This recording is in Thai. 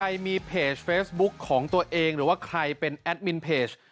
ใครมีเพจเฟซบุ๊คของตัวเองหรือว่าใครเป็นแอดมินเพจ